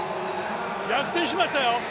逆転しましたよ！